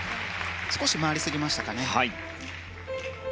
少し回りすぎましたかね。